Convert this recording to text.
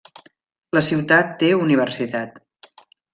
La ciutat té universitat.